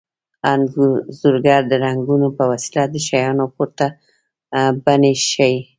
انځورګر د رنګونو په وسیله د شیانو ورته بڼې ښيي